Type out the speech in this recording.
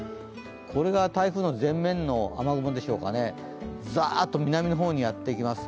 これが台風の前面の雨雲でしょうか、ざーっと南の方にやってきます。